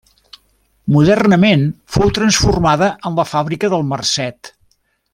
Modernament fou transformada en la Fàbrica del Marcet.